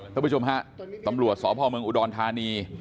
ท่านผู้ชมธรรมหลวดสอบภาวเมืองอุดรธานี